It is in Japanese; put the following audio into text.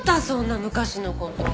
そんな昔の事。